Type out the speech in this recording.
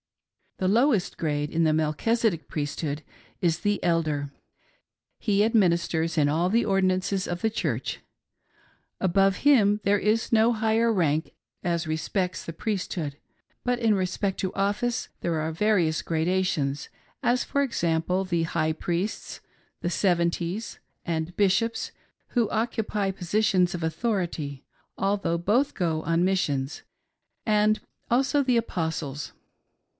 The lowest grade in the Melchisedec Priesthood is the " Elder." He administers in all the ordinances of the Church. Above him there is no higher rank as respects the priesthood, but in respect to office there are various gradations, as, for example, the "High Priests," the " Seventies," and "Bishops" who occupy positions of authority, although both go on mis sion, and also the Apostles.